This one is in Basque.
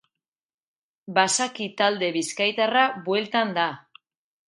Basaki talde bizkaitarra bueltan da.